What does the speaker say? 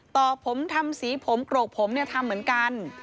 ตอบผมทำสีผมกรกผมทำเหมือนกัน